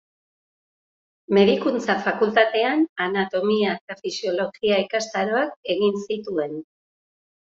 Medikuntza fakultatean anatomia eta fisiologia ikastaroak egin zituen.